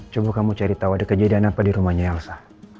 coba kamu cari tau ada kejadian apa di rumahnya elsa